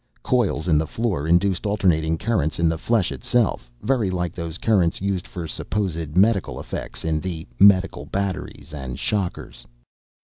Coils in the floor induced alternating currents in the flesh itself, very like those currents used for supposed medical effects in "medical batteries," and "shockers."